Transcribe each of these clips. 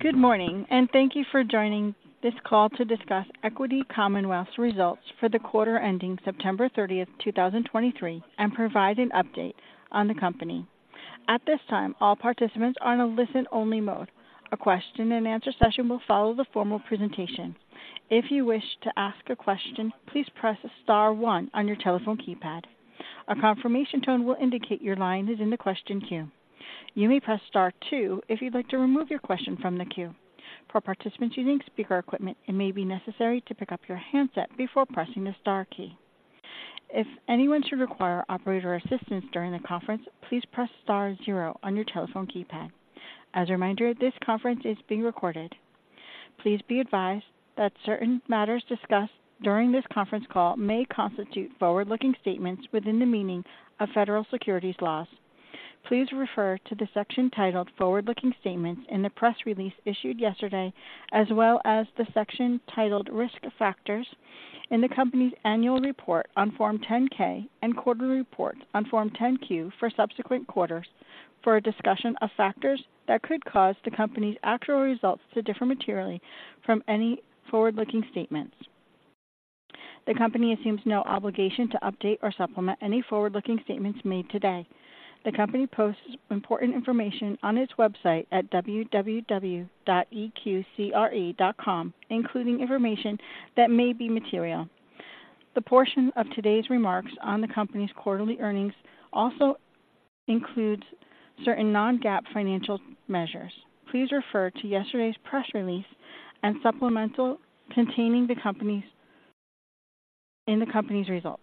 Good morning, and thank you for joining this call to discuss Equity Commonwealth's results for the quarter ending September 30, 2023, and provide an update on the company. At this time, all participants are in a listen-only mode. A question and answer session will follow the formal presentation. If you wish to ask a question, please press Star One on your telephone keypad. A confirmation tone will indicate your line is in the question queue. You may press Star Two if you'd like to remove your question from the queue. For participants using speaker equipment, it may be necessary to pick up your handset before pressing the Star key. If anyone should require operator assistance during the conference, please press Star Zero on your telephone keypad. As a reminder, this conference is being recorded. Please be advised that certain matters discussed during this conference call may constitute forward-looking statements within the meaning of federal securities laws. Please refer to the section titled Forward-Looking Statements in the press release issued yesterday, as well as the section titled Risk Factors in the company's annual report on Form 10-K and quarterly report on Form 10-Q for subsequent quarters for a discussion of factors that could cause the company's actual results to differ materially from any forward-looking statements. The company assumes no obligation to update or supplement any forward-looking statements made today. The company posts important information on its website at www.eqcre.com, including information that may be material. The portion of today's remarks on the company's quarterly earnings also includes certain non-GAAP financial measures. Please refer to yesterday's press release and supplemental containing the company's... in the company's results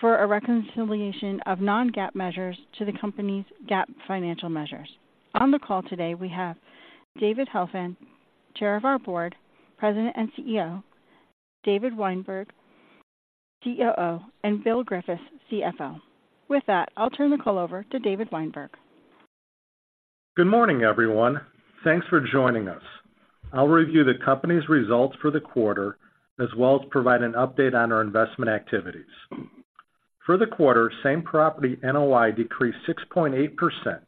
for a reconciliation of non-GAAP measures to the company's GAAP financial measures. On the call today, we have David Helfand, Chair of our Board, President and CEO, David Weinberg, COO, and Bill Griffiths, CFO. With that, I'll turn the call over to David Weinberg. Good morning, everyone. Thanks for joining us. I'll review the company's results for the quarter, as well as provide an update on our investment activities. For the quarter, same property NOI decreased 6.8%,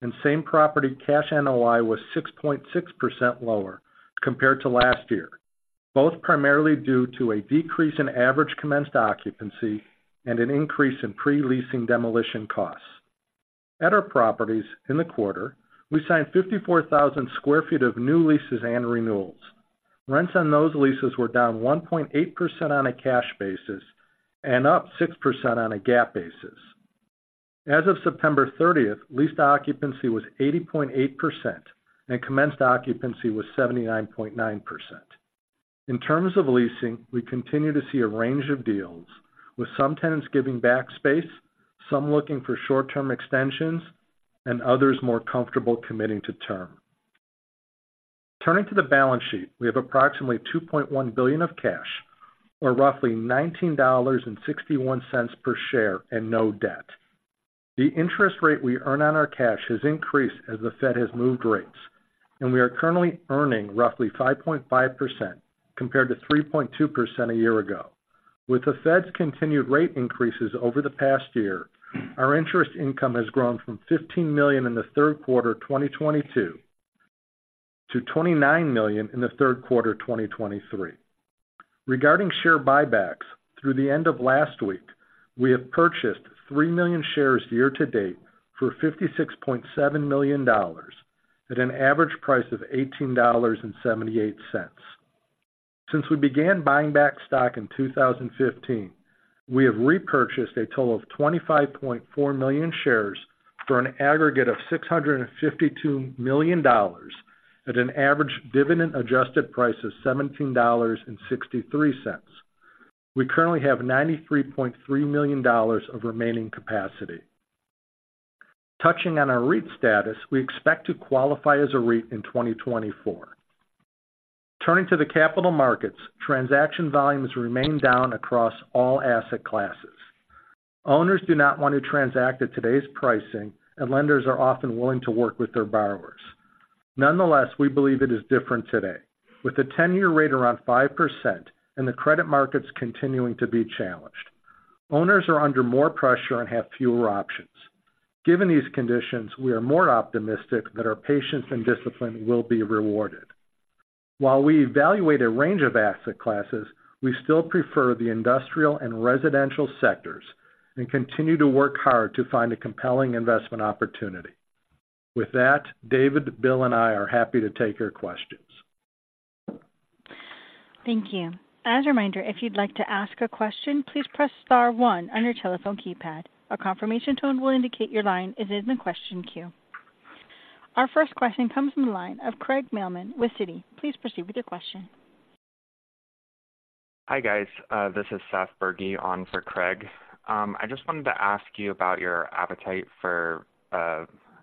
and same property cash NOI was 6.6% lower compared to last year, both primarily due to a decrease in average commenced occupancy and an increase in pre-leasing demolition costs. At our properties in the quarter, we signed 54,000 sq ft of new leases and renewals. Rents on those leases were down 1.8% on a cash basis and up 6% on a GAAP basis. As of September thirtieth, leased occupancy was 80.8%, and commenced occupancy was 79.9%. In terms of leasing, we continue to see a range of deals, with some tenants giving back space, some looking for short-term extensions, and others more comfortable committing to term. Turning to the balance sheet, we have approximately $2.1 billion of cash, or roughly $19.61 per share, and no debt. The interest rate we earn on our cash has increased as the Fed has moved rates, and we are currently earning roughly 5.5%, compared to 3.2% a year ago. With the Fed's continued rate increases over the past year, our interest income has grown from $15 million in the third quarter of 2022 to $29 million in the third quarter of 2023. Regarding share buybacks, through the end of last week, we have purchased 3 million shares year to date for $56.7 million at an average price of $18.78. Since we began buying back stock in 2015, we have repurchased a total of 25.4 million shares for an aggregate of $652 million at an average dividend adjusted price of $17.63. We currently have $93.3 million of remaining capacity. Touching on our REIT status, we expect to qualify as a REIT in 2024. Turning to the capital markets, transaction volumes remain down across all asset classes. Owners do not want to transact at today's pricing, and lenders are often willing to work with their borrowers. Nonetheless, we believe it is different today. With the 10-year rate around 5% and the credit markets continuing to be challenged, owners are under more pressure and have fewer options. Given these conditions, we are more optimistic that our patience and discipline will be rewarded. While we evaluate a range of asset classes, we still prefer the industrial and residential sectors and continue to work hard to find a compelling investment opportunity. With that, David, Bill, and I are happy to take your questions. Thank you. As a reminder, if you'd like to ask a question, please press Star One on your telephone keypad. A confirmation tone will indicate your line is in the question queue. Our first question comes from the line of Craig Mailman with Citi. Please proceed with your question. Hi, guys. This is Seth Bergey on for Craig. I just wanted to ask you about your appetite for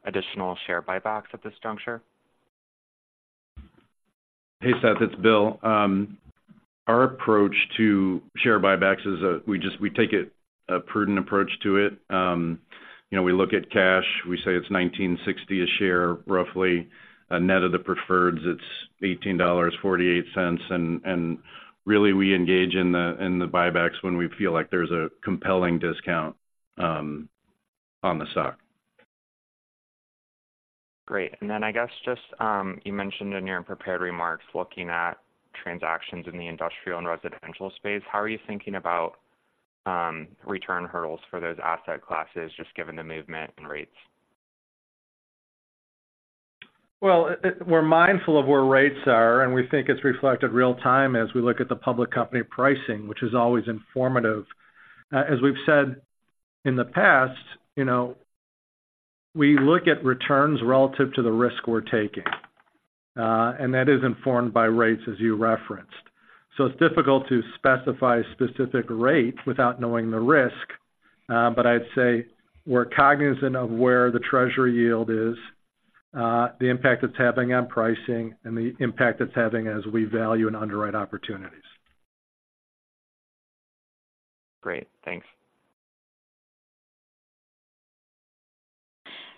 additional share buybacks at this juncture. Hey, Seth, it's Bill. Our approach to share buybacks is, we take a prudent approach to it. You know, we look at cash, we say it's $19.60 a share, roughly. Net of the preferreds, it's $18.48. Really, we engage in the buybacks when we feel like there's a compelling discount on the stock. Great. And then I guess just, you mentioned in your prepared remarks, looking at transactions in the industrial and residential space, how are you thinking about return hurdles for those asset classes, just given the movement in rates? Well, we're mindful of where rates are, and we think it's reflected real time as we look at the public company pricing, which is always informative. As we've said in the past, you know, we look at returns relative to the risk we're taking, and that is informed by rates, as you referenced. So it's difficult to specify a specific rate without knowing the risk. But I'd say we're cognizant of where the Treasury yield is, the impact it's having on pricing, and the impact it's having as we value and underwrite opportunities. Great. Thanks.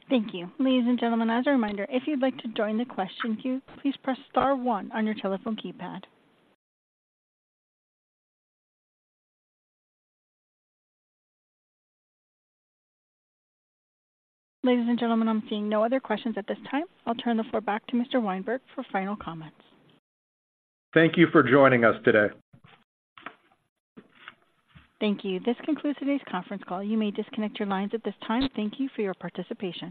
Thank you. Ladies and gentlemen, as a reminder, if you'd like to join the question queue, please press Star One on your telephone keypad. Ladies and gentlemen, I'm seeing no other questions at this time. I'll turn the floor back to Mr. Weinberg for final comments. Thank you for joining us today. Thank you. This concludes today's conference call. You may disconnect your lines at this time. Thank you for your participation.